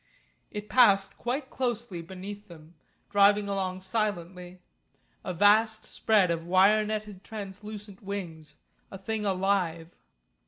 It passed quite closely beneath them, driving along silently, a vast spread of wire netted translucent wings, a thing alive.